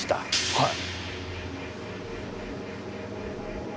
はい。